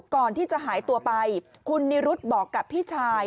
ก่อนที่จะหายตัวไปคุณนิรุธบอกกับพี่ชาย